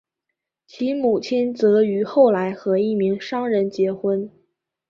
其母亲则于后来和一名商人结婚。